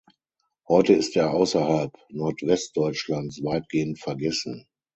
Heute ist er außerhalb Nordwestdeutschlands weitgehend vergessen.